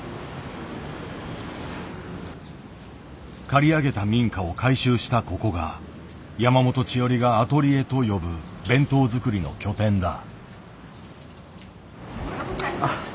借り上げた民家を改修したここが山本千織が「アトリエ」と呼ぶ弁当作りの拠点だ。